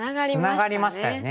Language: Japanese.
ツナがりましたよね。